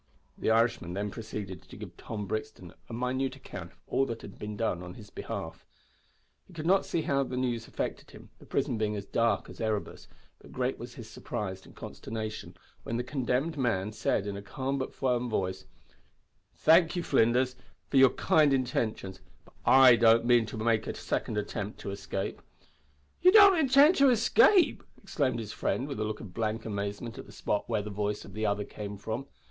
The Irishman then proceeded to give Tom Brixton a minute account of all that had been done in his behalf. He could not see how the news affected him, the prison being as dark as Erebus, but great was his surprise and consternation when the condemned man said, in a calm but firm voice, "Thank you, Flinders, for your kind intentions, but I don't mean to make a second attempt to escape." "Ye don't intind to escape!" exclaimed his friend, with a look of blank amazement at the spot where the voice of the other came from.